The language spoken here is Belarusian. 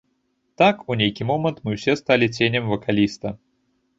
Так, у нейкі момант мы ўсе сталі ценем вакаліста.